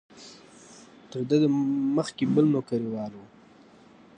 تر ده مخکې بل نوکریوال و.